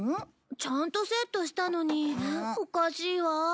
ちゃんとセットしたのにおかしいわ。